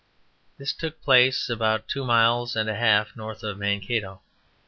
This took place about two miles and a half north of Mankato.